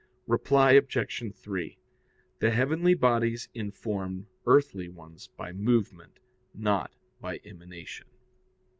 Reply Obj. 3: The heavenly bodies inform earthly ones by movement, not by emanation.